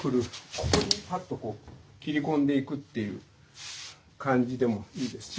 ここにパッとこう切り込んでいくという感じでもいいですし